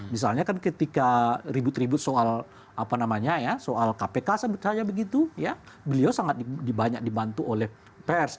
misalnya kan ketika ribut ribut soal apa namanya ya soal kpk sebetulnya begitu ya beliau sangat banyak dibantu oleh pers